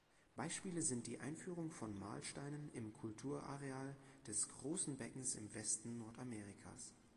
Beispiele sind die Einführung von Mahlsteinen im Kulturareal des Großen Beckens im Westen Nordamerikas.